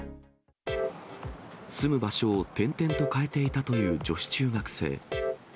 住む場所を転々と変えていたという女子中学生。